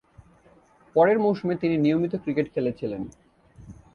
পরের মৌসুমে তিনি নিয়মিত ক্রিকেট খেলেছিলেন।